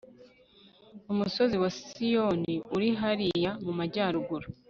umusozi wa siyoni uri hariya mu majyaruguru